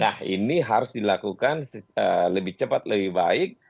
nah ini harus dilakukan lebih cepat lebih baik